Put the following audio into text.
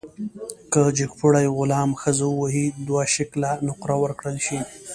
که جګپوړي غلام ښځه ووهي، دوه شِکِله نقره ورکړل شي.